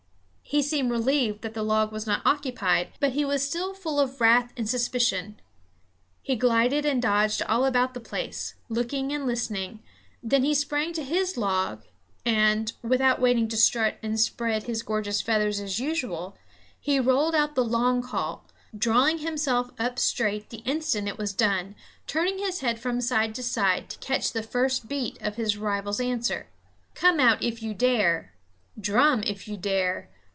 He seemed relieved that the log was not occupied, but he was still full of wrath and suspicion. He glided and dodged all about the place, looking and listening; then he sprang to his log and, without waiting to strut and spread his gorgeous feathers as usual, he rolled out the long call, drawing himself up straight the instant it was done, turning his head from side to side to catch the first beat of his rival's answer "Come out, if you dare; drum, if you dare.